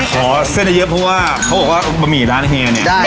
ขอเส้นเยอะเพราะว่าเขาบอกว่าบะหมี่ร้านแหงนี่